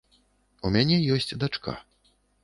У мяне ёсць дачка.